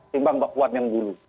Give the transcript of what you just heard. timbang mbak puan yang dulu